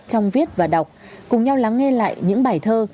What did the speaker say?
trong viết và đọc cùng nhau lắng nghe lại những bài thơ